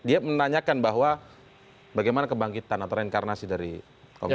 dia menanyakan bahwa bagaimana kebangkitan atau reinkarnasi dari pemerintah